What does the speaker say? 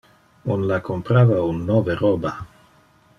On la comprava un nove roba.